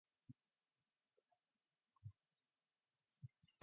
Later cars featured a movable passenger seat.